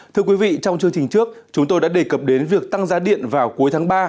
thưa quý vị trong chương trình trước chúng tôi đã đề cập đến việc tăng giá điện vào cuối tháng ba